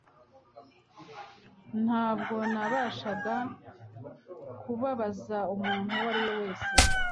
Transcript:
Ntabwo nashakaga kubabaza umuntu uwo ari we wese